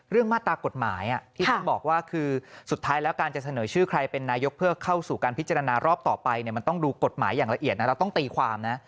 มาตรากฎหมายที่ท่านบอกว่าคือสุดท้ายแล้วการจะเสนอชื่อใครเป็นนายกเพื่อเข้าสู่การพิจารณารอบต่อไปเนี่ยมันต้องดูกฎหมายอย่างละเอียดนะเราต้องตีความนะ